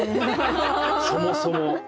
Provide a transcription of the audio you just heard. そもそも。